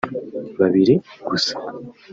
babiri gusa